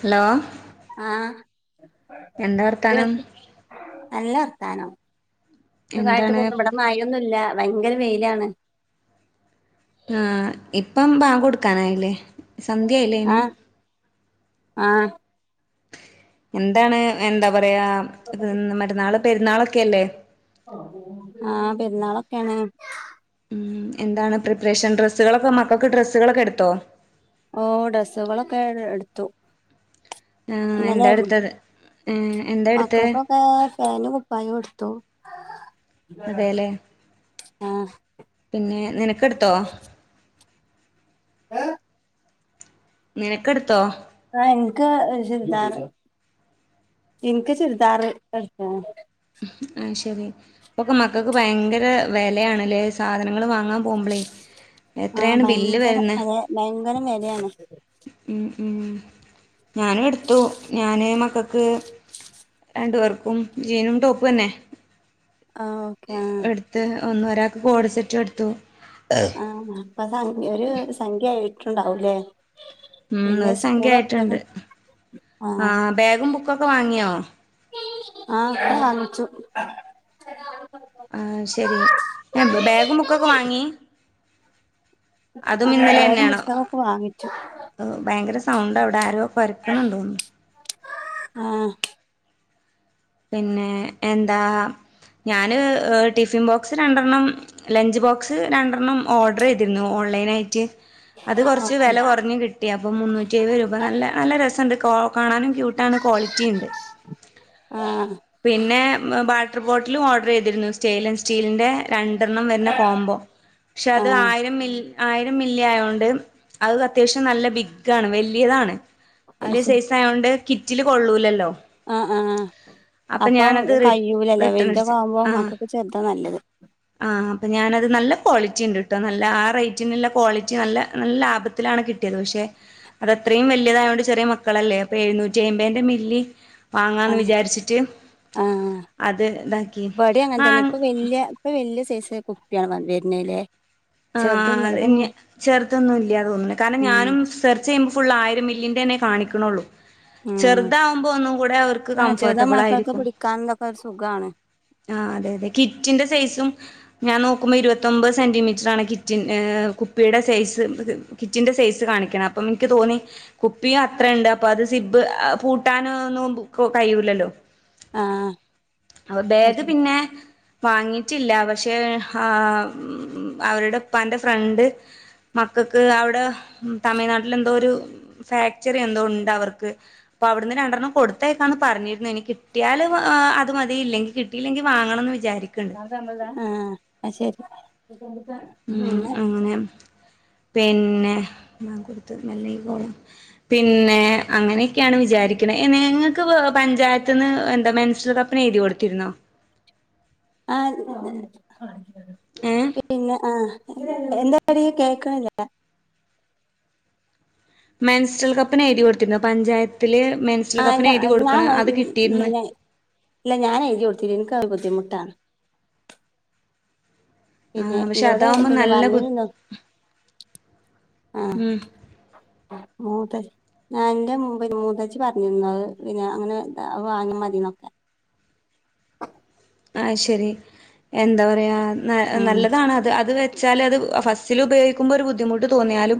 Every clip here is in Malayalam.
ഹലോ ആഹ് എന്താ കേ വർത്താനം നല്ല വർത്തനം സുഖായിട്ട് എന്താണ് പോണ് ഇപടെ മ മയൊന്നുല്ല ഭയങ്കര വെയിലാണ് ആഹ് ഇപ്പം ബാങ്കൊടുക്കാനായില്ലേ സന്ധ്യ ആയില്ലേന് ആഹ് ആഹ് എന്താണ് എന്താ പറയാ മറ്റന്നാള് പെരുന്നാളൊക്കല്ലേ ആഹ് പെരുന്നാളൊക്കാണ് ഉം എന്താണ് പ്രിപ്പറേഷൻ ഡ്രസ്സുകളൊക്കെ മക്കക്ക് ഡ്രസ്സുകളൊക്കെ എടുത്തോ ഓഹ് ഡ്രെസുകളൊക്കെ എടുത്തു ആഹ് എന്താ ഇന്നലെയായിരുന്നു എടുത്തത് ഏ എന്താ എടുത്തേ ആഹ് ഫാന്റും കുപ്പായോം ഏടുത്തു അതേല്ലേ ആഹ് പിന്നെ നിനക്കെടുത്തോ ഏ നിനക്കെടുത്തോ ആഹ് ഇൻക്ക് ചുരിദാർ ഇൻക്ക് ചുരിദാറ് എടുത്തു അയ് ശെരി ഇപ്പം മക്കക്ക് ഭയങ്കര വെലയാണല്ലേ സാധനങ്ങൾ വാങ്ങാൻ പോംമ്പളേ ആഹ് എത്രയാണ് ബില്ല് ഭയങ്കര വെരുന്നെ അതെ ഭയങ്കര വെലയാണ് ഉം ഉം ഞാനു എടുത്തു ഞാന് മക്കക്ക് രണ്ടു പേർക്കും ജീനും ടോപ്പന്നെ ആഹ് ഓക്കെ ആഹ് എടുത്ത് ഒന്ന് ഒരാക്ക് കോട് സെറ്റും എടുത്തു ആഹ് അപ്പ സം ഒരു സംഖ്യ ആയിട്ടുണ്ടാവൂലേ ഉം പിന്നെ ഒരു സംഖ്യ ആയിട്ടുണ്ട് സ്കൂളൊറക്കലും ആ ആഹ് ബാഗും ബുക്കൊക്കെ വാങ്ങിയോ ആഹ് കാണിച്ചു ആഹ് ശരി ബാഗും ബുക്കൊക്കെ വാങ്ങി അതും ആഹ് ഇന്നലെ ബാഗും തന്നെയാണോ പുസ്തകക്കെ വാങ്ങിച്ചു ഭയങ്കര സൗണ്ട് അവിടെ ആരോ കൊര ആഹ് പിന്നെ എന്താ ഞാന് ഡിഫ് ടിഫിൻ ബോക്സ് രണ്ടെണ്ണം, ലഞ്ച് ബോക്സ് രണ്ടെണ്ണം ഓഡ്രെയ്തിരുന്നു. ഓൺലൈനായിട്ട്. അത് കൊർച്ച് ഓക്കെ വെല കുറഞ്ഞ് കിട്ടി. അപ്പൊ മുന്നൂറ്റി എഴുപത് രൂപ. നല്ല നല്ല രസെണ്ട് കാണാനും ക്യൂട്ട്. ട്ടാണ് ക്വാളിറ്റിണ്ട്. ആഹ് പിന്നെ വാട്ടർ ബോട്ടിലും ഓഡ്രെയ്തിരുന്നു. സ്റ്റെയിൻ ലസ് സ്റ്റീലിന്റെ രണ്ടെണ്ണം വരുന്ന കോംമ്പോ പക്ഷെ അത് ആഹ് ആയിരം മിൽ ആയിരം മില്ലി ആയോണ്ട് അത് അത്യാവശ്യം നല്ല ബിഗ്ഗാണ്. വല്ല്യതാണ്. അത് ശരി വലൃസൈസ്. ആയോണ്ട് കിറ്റില് കൊള്ളൂലല്ലോ? ആ അ ആ അപ്പൊ അപ്പം ഞാനത് റി കയ്യൂലല്ലേ റിട്ടേൺ വല്തൊക്കെ അടിച്ച് ആവുമ്പോ ആഹ് മക്കൾക്ക് ചെർതാ നല്ലത്. ആഹ് ഞാനത് നല്ല ക്വാളിറ്റിണ്ട്ട്ടോ നല്ല ആ റേറ്റിന്ള്ള ക്വാളിറ്റി നല്ല നല്ല ലാഭ ത്തിലാണ് കിട്ടിയത് പക്ഷെ അതത്രേം വല്ല്യതായോണ്ട് ചെറിയ മക്കളല്ലേ അപ്പൊ എഴുന്നൂറ്റി അമ്പതിന്റെ മില്ലി. വാങ്ങാന്ന് ആഹ് വിചാരിച്ചിട്ട് ആഹ് അത് ഇതാക്കി ആം ഇല്ല. ഇപ്പൊ വല്യ സൈസ്ല കുപ്പിയാണ് വെര്ണല്ലെ? ആ. അത് ചെർതൊന്നും ഇല്യാന്ന് തോന്ന്ണ്. കാരണം ഉം ഞാനും ചെർ [unintelligible] ഫുൾ ആയിരം മില്ലിന്റെന്നെ കാണിക്ക്ണ്ള്ളൂ. ഉം ചെറുതാവുമ്പോ ഒന്നും കൂടെ അവർക്ക് ആഹ് ചെറുത് കംഫർട്ടബിൾ മക്കൾക്ക് ആയിരിക്കും. പിടിക്കാൻ ഇതൊക്കെ ഒരു സുഖാണ് ആഹ് അതെ അതെ കിറ്റിന്റെ സൈസും ഞാൻ നോക്കുമ്പോ ഇരുപത്തൊമ്പത് സെന്റിമീ റ്ററാണ്. കിറ്റൻ കുപ്പിയുടെ സൈസ് കിറ്റിൻ്റെ സൈസ് കാണിക്കണ്, അപ്പം നിക്ക് തോന്നി. കുപ്പിയും അത്രണ്ട്. അപ്പ അത് സിബ് പൂട്ടാനോ ഒന്നും കഴിയൂല്ലല്ലോ? ആഹ് അപ്പ ബേഗ് പിന്നെ. വാങ്ങിട്ടില്ല. പക്ഷെ ആ അവരുടെപ്പാന്റെ ഫ്രണ്ട് മക്കൾക്ക് അവിടെ തമിഴ്നാട്ടിൽ എന്തോ ഒരു ഫാക്ചറി എന്തോ ഉണ്ട് അവർക്ക്. അപ്പൊ അവിടുന്ന് രണ്ടെണ്ണം കൊടുത്തയക്കാന്ന് പറഞ്ഞിരുന്നു. ഇനി കിട്ടിയാല് ത് മതി. ഇല്ലെങ്കി കിട്ടയില്ലെങ്കി വാങ്ങണംന്ന് വിചാരിക്ക്ണ്ട്. ആഹ് അത് ശരി. ഉം പിന്നെ അങ്ങനെ. പിന്നെ ബാങ്ക് കൊടുത്ത് മെല്ലേ കോളം. പിന്നെ അങ്ങനെയൊക്കെയാണ് വിചാരിക്ക്ണ്. നിങ്ങൾക്ക് പഞ്ചായത്ത്ന്ന് എന്താ മെൻസ്ട്രൽ കപ്പ്‌. ന്ന എഴുതി കൊടുത്തിരുന്നോ? ആഹ്. ഏഹ് പിന്നെ ആഹ്. എന്താടീ കേൾക്കാൻല്ല? മെൻസ്റ്ററൽ കപ്പ്ന് എഴുതി കൊടുത്തിരുന്നോ പഞ്ചായത്തില്? മെൻസ്റ്ററൽ കപ്പ്ന് എഴുതി ആഹ് കൊടുക്കണ അത് കിട്ടിയിര്ന്ന്. ഞാൻ ഇല്ല. ഞാനെഴുതി കൊടുത്തില്ല. ഇൻക്കത് ബുദ്ധിമുട്ടാണ്. പിന്നെ ആഹ് പക്ഷെ ഇന്നോട് അതാവുമ്പോ പിന്ന നല്ല ബു പർഞ്ഞിനു ഇന്നോ ആഹ് ഉം മൂത്ത ഞാൻ എന്റെ മുമ്പ് മൂത്തച്ചി പറഞ്ഞിരുന്നു അത് പിന്നെ അങ്ങനെ വാങ്ങിയാ മതിന്നൊക്കെ. അത് ശരി. എന്താ പറയാ ഉം നല്ലതാണത്. അത് വെ ച്ചാൽ അത് ഫസ്റ്റിൽ ഉപയോഗിക്കുമ്പോ ഒരു ബുദ്ധിമുട്ട് തോന്നിയാലും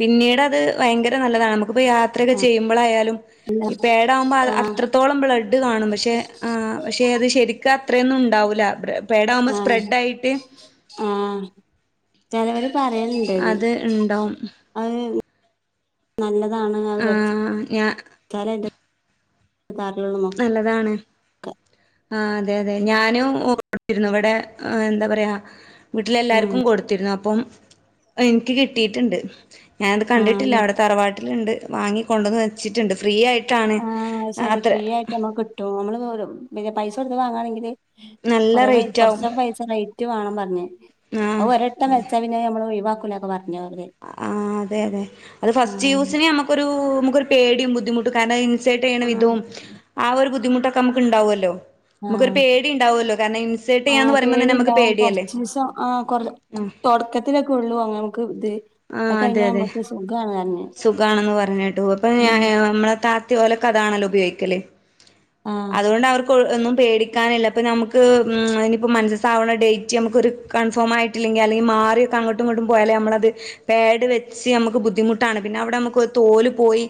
പിന്നീട് അത് ഭയങ്കര നല്ലതാണ് നമുക്ക്. യാത്രക്കെ ആഹ് ചെയ്യുമ്പളായാലും. അല്ല ഈ പേഡാകുമ്പോ ആഹ് അത്രത്തോളം ബ്ലഡ് കാണും. പക്ഷെ ആ പക്ഷെ അത് ശരി അത്രയൊന്നും ഉണ്ടാവൂല. പേഡാകുമ്പോ ആഹ് സ്പ്രെഡ് ആയിട്ട്. ആഹ് ചെലോല് പറയല്ണ്ടത്. അത് ഇണ്ടാവും അത് നല്ലതാണ്. അത് വെ ആഹ് ഞാ വെച്ചാലയിന്റെ. [unintelligible] നല്ലതാണ്. ഒക്കെ ആഹ് അതെ അതെ. ഞാനും കൊട്ത്തിരുന്നു. ഇവിടെ എന്താ പറയാ. ഉം വീട്ടിലെല്ലാർക്കും കൊടുത്തിരുന്നു. അപ്പം എനിക്ക് കിട്ടിയിട്ട്ണ്ട്. ഞാനത് കണ്ടിട്ടില്ല. ആഹ് അവിടെ തറവാട്ടില്ണ്ട്. വാങ്ങി കൊണ്ടുവന്ന് വെച്ചിട്ടുണ്ട് ഫ്രീ ആയിട്ടാണ് ആഹ് ശരി അത്ര ഫ്രീ ആയിട്ട് നമ്മക്ക് കിട്ടും നമ്മള് പിന്നെ പൈസ കൊടുത്ത് വാങ്ങാണെങ്കില് നല്ല കൊറെ പൈ റേറ്റ് ആവും കുറച്ച് പൈസ റൈറ്റ് വാണം പർഞ് അത് ആഹ് ഒരട്ടം അതെ വെച്ചാ പിന്നെ നമ്മൾ ഒഴിവാക്കൂലാക്കെ പർഞ്ഞു അവര് ആഹ് അതെ അതെ അത് ഫസ്റ്റ് ആഹ് യൂസിന് നമുക്കൊരൂ നമുക്കൊരു പേടിയും ബുദ്ധിമുട്ടും കാരണം [unintelligible] യിട്ട ചെയ്യ്ണ ആഹ് വിധവും ആ ഒരു ബുദ്ധിമുട്ടൊക്കെ നമുക്ക് ഉണ്ടാവല്ലോ ആഹ് ചെയ്യാന്ന് പറയുമ്പോ തന്നെ പേടി നമുക്ക് ഉണ്ടാവും പേടിയല്ലേ കൊറച്ച്ദിവസം ആ കൊറ ആഹ് തുടക്കത്തി ത്തിലൊക്കെ ഉള്ളു നമുക്ക് ഇത് അത് കഴിഞ്ഞാൽ നമുക്ക് സുഖാണ് പർഞ്ഞ് സുഖമാണെന്ന് പർഞ്ഞിട്ടു അപ്പൊ ഞാന് നമ്മളെ താത്തി ഓലെക്കെ അതാണല്ലോ ഉപയോഗിക്കല് ആഹ് അതുകൊണ്ട് അവർക്ക് ഒന്നും പേടിക്കാനില്ല ഇപ്പ നമുക്ക് അയ്നിപ്പോ മൻസസാവുന്ന ഡേറ്റ് നമുക്ക് ഒരു കൺഫോമായിട്ടില്ലെങ്കിൽ അല്ലെങ്കിൽ മാറി അങ്ങട്ടും ഇങ്ങട്ടും പോയാല് നമ്മളത് പേട് വെച്ച് നമുക്ക് ബുദ്ധിമുട്ടാണ് പിന്നെ അവിടെ നമുക്ക് തോല് പോയി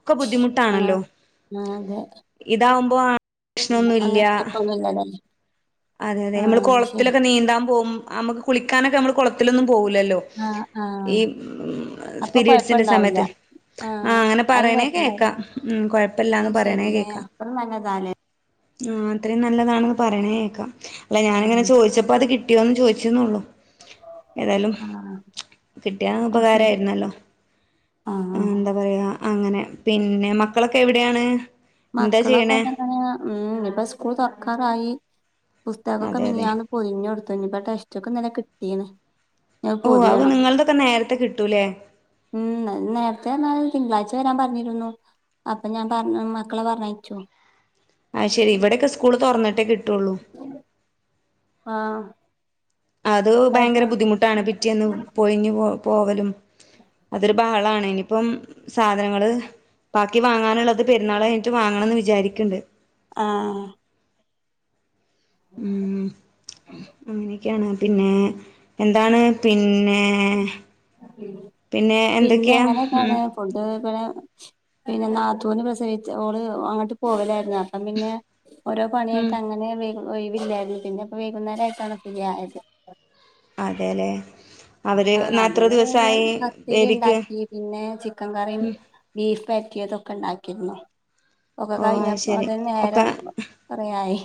ഒക്കെ ബുദ്ധിമുട്ട് ആഹ് ആഹ് അതെ ഇതാവുമ്പോ പ്രശ്നൊന്നുല്ല [unintelligible] അതെ അതെ നമ്മള് ആഹ് കൊളത്തിൽ ശരി ഒക്കെ നീന്താൻ പോകും നമുക്ക് കുളിക്കാനൊക്കെ നമ്മള് കൊളത്തിലൊന്നും പോവൂലല്ലോ ആഹ് ആഹ് ഈ ഉം അപ്പൊ പീരിയഡ്സിന്റെ കൊഴപ്പണ്ടാവില്ല സമയത്ത് ആഹ് അങ്ങനെ അയിന് പറയണേ കൊഴപ്പണ്ടാവില്ല കേക്കാം ഉം കൊഴപ്പല്ലാന്ന് അത് ശരി പറയണേ ഏഹ് കേക്കാം അത്ര നല്ലതാല്ലേ ആഹ് അത്രയും നല്ലതാണെന്ന് പറയണേക്കാം അല്ല ഞാനിങ്ങനെ ആഹ് ചോദിച്ചപ്പോ അത് കി ട്ടിയോന്ന് ചോയിച്ച്ന്നൊള്ളൂ ഏതാലും ആഹ് കിട്ടിയ അത് ശരി ഉപകാരമായിരുന്നല്ലോ ആഹ് ഉം ന്താ പറയാ അങ്ങനെ പിന്നെ മക്കളൊക്കെ എവിടെയാണ് എന്താ ചെയ്യണേ മക്കളൊക്കെങ്ങനെ ഉം ഇപ്പൊ സ്കൂൾ തൊർക്കാറായി പുസ്തകൊക്കെ അതെ അതെ മിനിയാന്ന് പൊതിഞ്ഞൊട്ത്ത് ഞ്ഞിപ്പ ടെസ്റ്റ് ബുക്ക്‌ ഇന്നലെ കിട്ടീന് ഓഹ് ഔവു നിങ്ങള്തൊക്കെ നേരത്തെ കിട്ടൂല്ലേ ഉം നേരത്തെ എന്നാ തിങ്കളാഴ്ച വരാൻ പറഞ്ഞിരുന്നു അപ്പൊ ഞാൻ പറഞ്ഞ മക്കളെ പറഞ്ഞയച്ചു അയ്ശരി ഇവിടൊക്കെ സ്ക്കൂള് തൊറന്നിട്ടേ കിട്ടുവൊള്ളൂ ആഹ് അത് ഭയങ്കര ബുദ്ധിമുട്ടാണ് പിറ്റേന്ന് പോയിഞ്ഞ് പോവലും അതൊരു ആളാണ് ഇനിയിപ്പം സാധനങ്ങള് ബാക്കി വാങ്ങാനുള്ളത് പെരുന്നാൾ കഴിഞ്ഞിട്ട് വാങ്ങണം ന്ന് വിചാരി ക്ക്ണ്ട് ആഹ് ഉം അങ്ങനെയൊക്കെയാണ് പിന്നെ എന്താണ് പിന്നെ ഏഹ് പിന്നെ എന്തൊക്കെയാ ഉം ഫുഡ് പിന്നെ പിന്നെ നാത്തൂന് പ്രസവിച്ച് ഓള് അങ്ങോട്ട് പോവലാരുന്ന അപ്പം പിന്നെ ഓരോ ഉം പണിയായിട്ട് അങ്ങനെ വൈ ഒഴിവില്ലായിരുന്നു പിന്നെ ഇപ്പൊ വൈകുന്നേരായിട്ടാണ് ഫ്രീ ആയത് അതേലെ ആഹ് അതീനിടയിൽ പത്തിരി ബേബിക്ക് ഇണ്ടാക്കി പിന്നെ ചിക്കൻ കറി ഉം ബീഫ് വരട്ടിയത് ഒക്കെ ഇണ്ടാക്കിയിരുന്നു ഓഹ് അയ് ശരി ഒക്കെ കൊറെയായി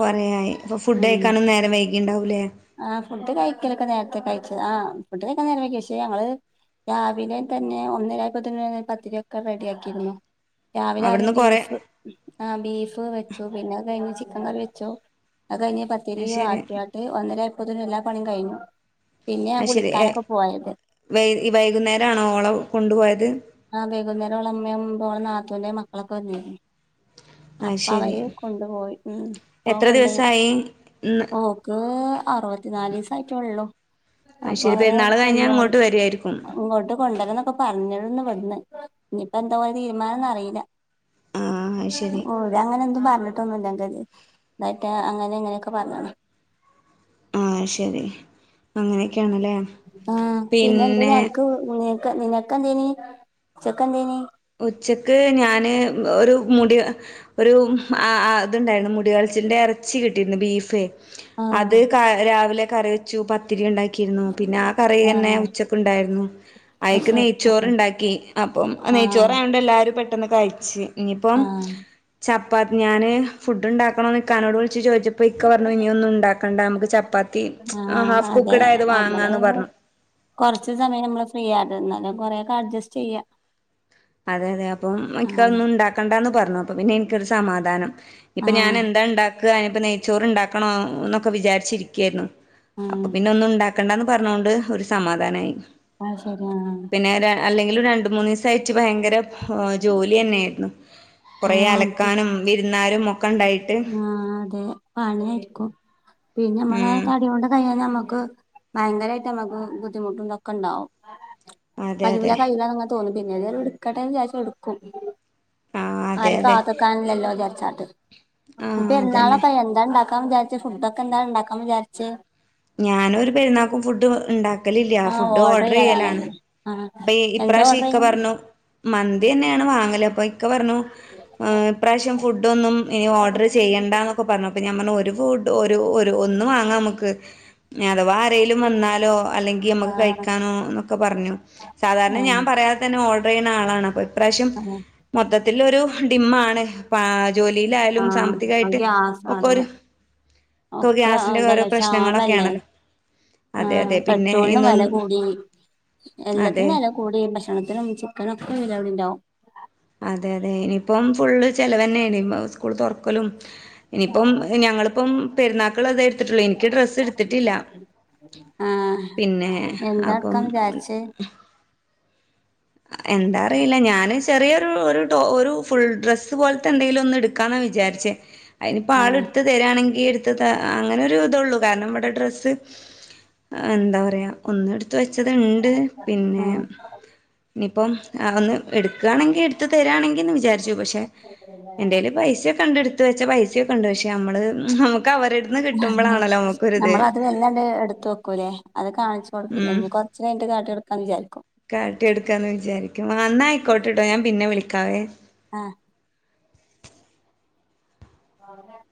കൊറെയായി അപ്പൊ ഫുഡ് കഴിക്കാനും നേരം വൈകീണ്ടാവൂല്ലേ ആഹ് ഫുഡ് കഴിക്കലൊക്കെ നേരത്തെ കഴിച്ചത് ആഹ് ഫുഡ് കൈക്കാൻ നേരം വൈകി പക്ഷേ ഞങ്ങൾ രാവിലെ തന്നെ ഒന്നര ആയപ്പോത്തിന് പത്തിരിയൊക്കെ റെഡിയാക്കിയിരുന്നു രാവിലെ ആദ്യം അവിടുന്ന് കൊറെ ബീഫ് ആഹ് ബീഫ് വെച്ചു പിന്നെ അത് കഴിഞ്ഞ് ചിക്കൻ കറി വെച്ചു അത് കഴിഞ്ഞ് പത്തിരി അത് ശരി വാട്ടിയാട്ട് ഒന്നര ആയപ്പോത്തിന് എല്ലാ പണിയും കഴിഞ്ഞു പിന്നെ ഞാൻ അത് ശരി കുളിക്കാനൊക്കെ പോയത് വൈ വൈകുന്നേരം ആണോ ഓളോ കൊണ്ടുപോയത് ആഹ് വൈകുന്നേരം ഓളെ ഉമ്മയും ഓളെ നാത്തൂന്റെ മക്കളൊക്കെ വന്നിരുന്നു അത് അപ്പ ശരി അവര് കൊണ്ടുപോയി ഉം ഇപ്പൊ എത്ര കൊണ്ടോയി ദിവസായി ഇന്ന് ഓഹ് ഓക്ക് അറുപത്തിനാലീസായിട്ടൊള്ളു അത് അപ്പൊ ശരി അവരെ പെരുന്നാൾ കഴിഞ്ഞാ തൊണ്ണൂറ് ഇങ്ങോട്ട് വരുവായിരിക്കും ഇങ്ങോട്ട് കൊണ്ടുവരുന്ന ക്കൊ പറഞ്ഞിരുന്നു ഇവട്ന്ന് ഇഞ്ഞിപ്പോ എന്താ ഓലെ തീരുമാനം ന്ന് അറീല്ല ആഹ് അത് ശരി ഓയ് ഞാൻ അങ്ങനെ എന്തും പറഞ്ഞിട്ടൊന്നുമില്ലന്റത് ന്ന്ട്ടയ്റ്റ അങ്ങനെ ഇങ്ങനെയൊക്കെ പറഞ്ഞ്ണ് ആഹ് അയ്ശരി അങ്ങനെയൊക്കെയാണ് ലെ ആഹ് പിന്നെ എന്ത അനക്ക് നിനക്ക് നിനക്ക് എന്തേനി ഉച്ചക്ക് എന്തേനി ഉച്ചക്ക് ഞാന് ഒരു മുടി ഒരു ആഹ് ആ ഇതുണ്ടായിരുന്നു മുടികളച്ചിന്റെ എറച്ചി കിട്ടിയിരുന്നു ബീഫ് ആ അത് ക രാവിലെ കറി വ ച്ചു പത്തിരി ഉണ്ടാക്കിയിരുന്നു പിന്നെ ആ കറി തന്നെ ഉച്ചക്ക് ഉണ്ടായിരുന്നു അത് അയക്ക് ശരി നെയ്ച്ചോറ് ഉണ്ടാക്കി അപ്പം ആ നെയ്ച്ചോറായോണ്ട് എല്ലാരും പെട്ടെന്ന് കഴിച്ച് ഇനിയിപ്പം ആ ചപ്പാത്തി ഞാന് ഫുഡ് ഉണ്ടാക്കണോന്ന് ഇക്കാനോട് വിളിച്ചു ചോ അപ്പൊ ഇക്ക പറഞ്ഞു ഇനിയൊന്നും ഉണ്ടാക്കണ്ട നമുക്ക് ചപ്പാത്തി ആ ഹാഫ് കുക്കഡ് ആയത് വാങ്ങാന്ന് പറഞ്ഞു കുറച്ച് സമയം നമ്മള് ഫ്രീ ആട്ടുന്നല്ല കൊറെക്കെ അഡ്ജസ്റ്റ് ചെയ്യാം അതെ അതെ അപ്പൊ എനിക്കതൊന്നും ഉണ്ടാക്കണ്ടന്ന് പറഞ്ഞു അപ്പൊ പിന്നെ എനിക്കൊരു സമാധാനം ആ ഇപ്പൊ ഞാൻ എന്താ ഉണ്ടാക്ക അതിനിപ്പ നെയ്ച്ചോറ് ഉണ്ടാക്കണോ എന്നൊക്കെ വിചാരിച്ചിരിക്കായിരുന്നു ആ അപ്പൊ പിന്നെ ഒന്നും ഉണ്ടാക്കണ്ടന്ന് പറഞ്ഞുകൊണ്ട് ഒരു സമാധാനായി അഹ് ശരിയ ആഹ് പിന്നെ അല്ലെങ്കിൽ ഒരു രണ്ട് മൂന്ന് ദിവസം ആയിട്ട് ഭയങ്കര ഓഹ് ജോലി തന്നെയായിരുന്നു കൊറേ ആ അലക്കാനും വിരുന്നാരും ഒക്കെ ഉണ്ടായിട്ട് ആഹ് അതെ പണി ആയിരിക്കും പിന്നെ നമ്മളെ ഉം തടി കൊണ്ട് കഴാൻ നമ്മുക്ക് ഭയങ്കരായിട്ട് നമ്മുക്ക് ബുദ്ധിമുട്ടും ഇതൊക്കെ ഉണ്ടാവും അതെ കരുവില അതെ കഴല തോന്നും പിന്നെ ഏതായാലും എടുക്കട്ടെന്ന് വിചാരിച്ച എടുക്കും ആഹ് അതെ ആരെ അതെ കാത്തക്കാനില്ലല്ലോ വിചാരിച്ചാട്ട് ഈ ആഹ് അതന്നെ പെരുന്നാളൊക്കെ ആയാ [unintelligible] എന്താണ്ടാക്കാൻ വിചാരിച്ചെ ഫുഡോക്കെ എന്താ ഉണ്ടാക്കാൻ വിചരിച്ചെ ഞാനൊരു പെരുന്നാക്കും ഫുഡ് ഉണ്ടാക്ക പക്കലില്ല ആ ഫുഡ് ഓർഡർ ചെയ്യലാണ് ചെയ്യലാണല്ലോ ആ അപ്പൊ ഇ എന്താ പ്രാവശ്യാം ഓർഡർ ശക്കെ പറഞ്ഞു ചെയ്യ മന്തി തന്നെയാണ് വാങ്ങല് അപ്പൊ ഇക്ക പറഞ്ഞു ഏഹ് ഇപ്രാവശ്യം ഫുഡൊന്നും ഇനി ഓഡർ ചെയ്യണ്ടന്നൊക്കെ പറഞ്ഞു അപ്പം ഞാൻ പറഞ്ഞൽ ഒരു ഫുഡ് ഇന്ന് വാങ്ങ നമുക്ക് അഥവാ ആരങ്കലും വന്നാലോ അല്ലെങ്കിൽ ആ നമക്ക് കഴിക്കാനോ എന്നൊക്കെ പറഞ്ഞു സാധാരണ ആ ഞാൻ പറയാതെ തന്നെ ഓർഡർ ചെയ്യുന്ന ആളാണ് അപ്പോ ഇപ്രാവശ്യം വശ്യം ആ മൊത്തത്തില് ഒരു ഡിമ്മാണ് ജോലി ആഹ് അത് ഗ്യാസ് അതെ ഒക്കെ ഗ്യാസിന്റെ ഓരോ എന്താലെ [unintelligible] പ്രശ്നങ്ങളൊക്കെയാണല്ലോ അതെ അതെ ആഹ് പിന്നെ പെട്രോളിനും വില ഇന്നൊന്നും കൂടി അതെ എല്ലാത്തിനും വില കൂട ഭക്ഷണത്തി ന ചിക്കനൊ ഒക്കെ ഇിലാവിടെണ്ടാവും അതെ അതെ ഇനിയിപ്പം ഫുള്ള് ചെിലവന്നെയാണ് സ്കൂള് തുറക്കലും ഇനിയിപ്പം ഞങ്ങളിപ്പം പെരുന്നാ [unintelligible] ക്കൾ എടുത്തിട്ടില്ല എനിക്ക് ഡ്രസ്സ് എടുത്തിട്ടില്ല ആഹ് പിന്നെ എന്താ അപ്പം എടുക്കാന്ന് വിചാരിച്ച് എന്താ അറിയില്ല ഞാന് ചെറിയൊരു ഒരു ഒരു ഫുൾ ഡ്രസ്സ് പോലത്തെ എന്തെങ്കിലും ഒന്ന് എടു ക്കണം വിചാരിച്ചേ അയ്നിപ്പം ആഹ് ആൾടുത്ത തരാണെങ്കിൽ എടുത്ത് ത അങ്ങനെ ഒരു ഇതള്ളൂ കാരണം ഇവടെ ഡ്രസ്സ് എന്താ പറയാ ഒന്ന് എടുത്ത് വെച്ചത് ഉണ്ട് പിന്നെ ആഹ് ഇനിയിപ്പം ഒന്ന് എടുക്കാണെങ്കിൽ എടുത്ത് തരാണെങ്കിന്ന് വിചാരി ച്ചു പക്ഷെ എന്റെൽ പൈസ ഒക്കെണ്ട് എടുത്ത് വെച്ച പൈസയൊക്കെ ഉണ്ട് പക്ഷെ നമ്മള് നമുക്ക് അവരെട് ത്ത്ന്ന് കിട്ടുമ്പോളാണല്ലോ നമുക്കൊരിത് ഇല്ലാണ്ട് എടുത്ത് വെക്കൂല്ലേ അത് കാണിച്ച് കൊടുക്കില്ല ഇനി കുറച്ചു കഴിഞ്ഞിട്ട് കാട്ടി കൊടുക്കാന്ന് വിചാരിക്കും കാട്ടിയെടുക്കാമന്ന് വിചാരിക്കും അന്നായിക്കോട്ടെട്ടോ ഞാൻ പിന്നെ വിളിക്കാവേ ആഹ് [inaudible]